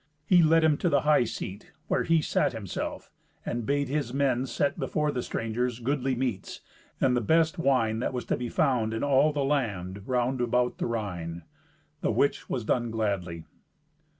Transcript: He led him to the highseat where he sat himself, and bade his men set before the strangers goodly meats, and the best wine that was to be found in all the land round about the Rhine; the which was done gladly.